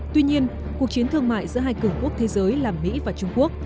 tuy nhiên cuộc chiến thương mại giữa hai cường quốc thế giới là mỹ và trung quốc